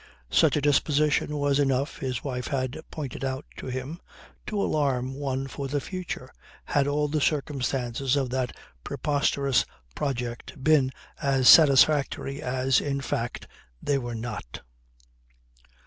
Such a disposition was enough, his wife had pointed out to him, to alarm one for the future, had all the circumstances of that preposterous project been as satisfactory as in fact they were not.